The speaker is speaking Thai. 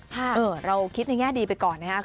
เราคิดในแง่ดีไปก่อนนะครับ